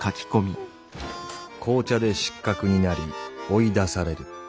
「紅茶で失格になり追い出される。